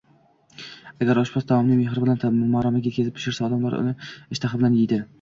Agar oshpaz taomni mehr bilan, maromiga yetkazib pishirsa, odamlar uni ishtaha bilan yeydi.